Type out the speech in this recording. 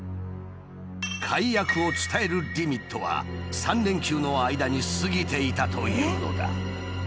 解約を伝えるリミットは３連休の間に過ぎていたというのだ。